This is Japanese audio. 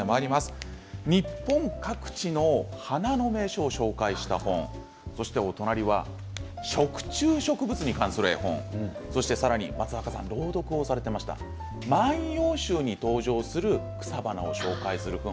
日本各地の花の名所を紹介した本そして、食虫植物に関する絵本さらに松坂さん朗読をされていました「万葉集」に登場する草花を紹介する本。